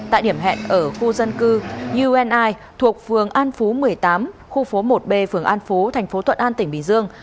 tại điểm hẹn ở khu dân cư uni thuộc phường an phú một mươi tám khu phố một b phường an phú thành phố thuận an tỉnh bình dương